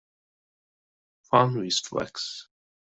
Fun with flags.